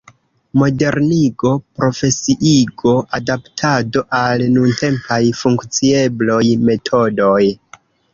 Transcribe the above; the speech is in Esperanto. Modernigo, profesiigo, adaptado al nuntempaj funkciebloj, metodoj.